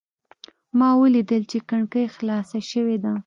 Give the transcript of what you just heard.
ما ولیدل چې کړکۍ خلاصه شوې ده.